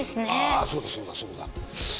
ああそうだそうだそうだ。